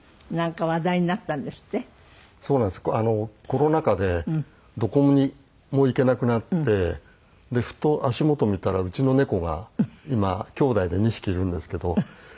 コロナ禍でどこにも行けなくなってふと足元を見たらうちの猫が今兄弟で２匹いるんですけど。